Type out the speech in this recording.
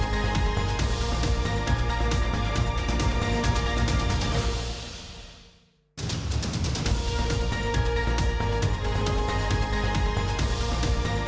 และรับคุณผู้ชมไปเลยสวัสดีค่ะ